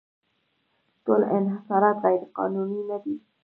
ټول انحصارات غیرقانوني نه دي.